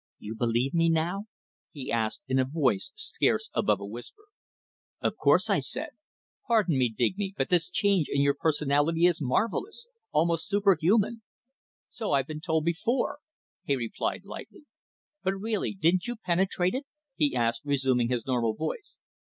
"You believe me now?" he asked, in a voice scarce above a whisper. "Of course," I said. "Pardon me, Digby but this change in your personality is marvellous almost superhuman!" "So I've been told before," he replied lightly. "But, really, didn't you penetrate it?" he asked, resuming his normal voice.